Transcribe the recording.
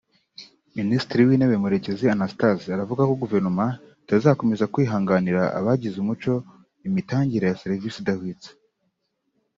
Minisitiri w’Intebe Murekezi Anastase aravuga ko Guverinoma itazakomeza kwihanganira abagize umuco imitangire ya serivisi idahwitse